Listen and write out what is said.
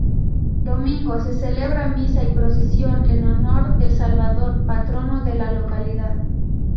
Domingo se celebra misa y procesión en honor del Salvador, patrono de la localidad.